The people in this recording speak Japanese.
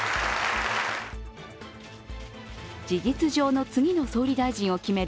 事実上の次の総理大臣を決める